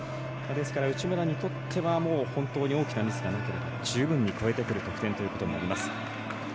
内村にとっては本当に大きなミスがなければ十分に超えてくる得点となります。